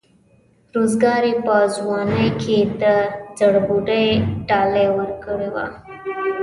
روزګار یې په ځوانۍ کې د زړبودۍ ډالۍ ورکړې وه.